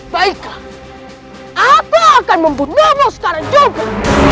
baiklah aku akan membunuhmu sekarang juga